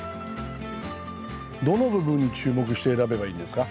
どの部分に注目して選べばいいんですか？